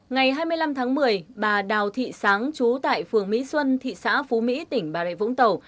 ngày hai mươi năm tháng một mươi bà đào thị sáng chú tại phường mỹ xuân thị xã phú mỹ tỉnh bà rệ vũng tàu